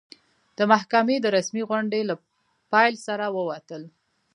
د محکمې د رسمي غونډې له پیل سره ووتل.